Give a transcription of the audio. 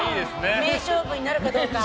名勝負になるかどうか。